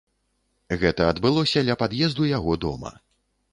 Гэта адбылося ля пад'езду яго дома.